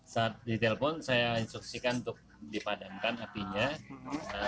saat ditelepon saya instruksikan untuk dipadamkan apinya